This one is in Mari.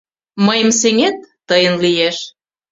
— Мыйым сеҥет — тыйын лиеш!